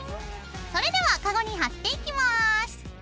それではカゴに貼っていきます。